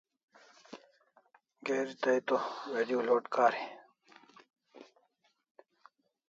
Geri tay to video load kari